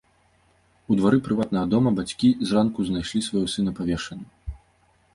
У двары прыватнага дома бацькі зранку знайшлі свайго сына павешаным.